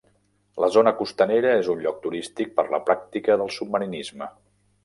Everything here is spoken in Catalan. La zona costanera és un lloc turístic per la pràctica del submarinisme.